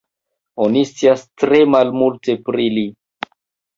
Oni scias tre malmulte pri li.